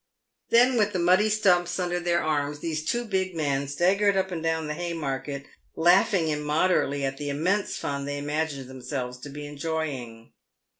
Then with the muddy stumps under their arms these two big men staggered up and down the Haymarket, laughing immoderately at the immense fun they imagined themselves to be enjoying.